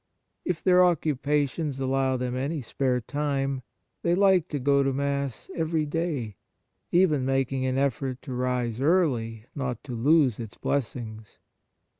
If their occu pations allow them any spare time, they like to go to Mass every day, even making an effort to rise early not to lose its blessings.